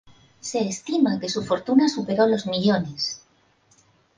Se estima que su fortuna superó los millones.